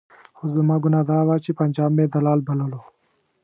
خو زما ګناه دا وه چې پنجاب مې دلال بللو.